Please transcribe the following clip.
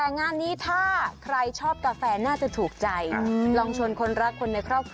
น่ารักก่ะหันใจจริง